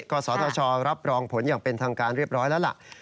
กศธชรับรองผลอย่างเป็นทางการเรียบร้อยแล้วล่ะ